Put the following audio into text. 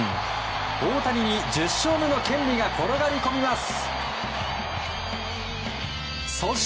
大谷に１０勝目の権利が転がり込みます。